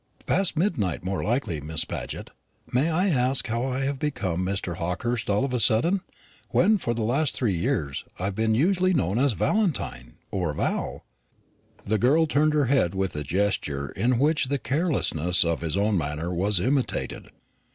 "Past midnight more likely, Miss Paget. May I ask how I have become Mr. Hawkehurst all of a sudden, when for the last three years I have been usually known as Valentine or Val?" The girl turned her head with a gesture in which the carelessness of his own manner was imitated.